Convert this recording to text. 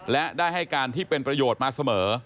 และได้ให้การที่เป็นประโยชน์มาเสมอ